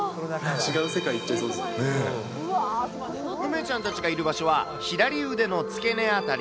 違う世界、梅ちゃんたちがいる場所は、左腕の付け根辺り。